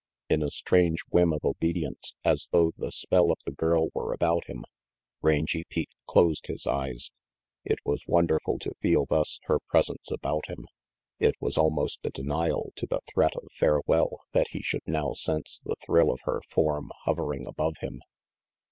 In a strange whim of obedience, as though the spell of the girl were about him, Rangy Pete closed his eyes. It was wonderful to feel thus her presence about him. It was almost a denial to the threat of farewell that he should now sense the thrill of her form hovering above him.